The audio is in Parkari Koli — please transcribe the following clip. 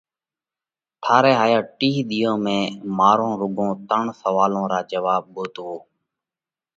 ٿارئہ هائِيون ٽِيه ۮِيئون ۾ مارون رُوڳون ترڻ سوئالون را جواب ڳوٿوووه۔